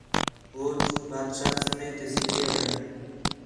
ہوج بادشاہ سُنّے تے سِکّے وڑین